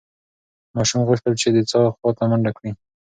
ماشوم غوښتل چې د څاه خواته منډه کړي.